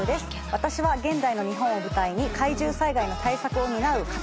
私は現代の日本を舞台に禍威獣災害の対策を担う禍